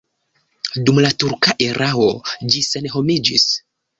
Dum la turka erao ĝi senhomiĝis.